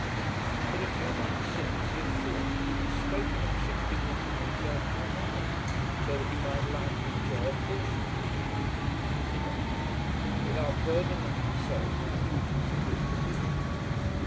But a few months since he had thought and even spoken of shifting them from himself to another, so that he might lightly enjoy a portion of the wealth which would belong to him without burdening himself with the duties of his position.